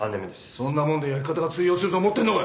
そんなもんで焼き方が通用すると思ってんのか。